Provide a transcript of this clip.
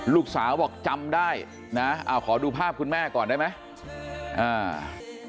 ลูกสาวบอกจำได้ขอดูภาพคุณแม่ก่อนได้ไหม